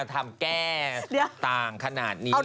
เล่ามา